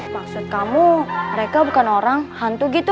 maksud kamu mereka bukan orang hantu gitu